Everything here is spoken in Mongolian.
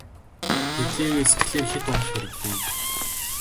Тэглээ гээд сэтгэлээр хэт унах хэрэггүй.